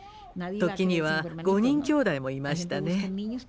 時には５人きょうだいもいましたね。